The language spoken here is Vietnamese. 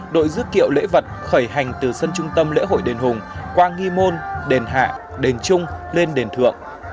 đội dứt kiệu lễ vật khởi hành từ sân trung tâm lễ hội đền hùng qua nghi môn đền hạ đền trung lên đền thượng